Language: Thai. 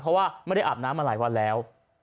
เพราะว่าไม่ได้อาบน้ำมาหลายวันแล้ว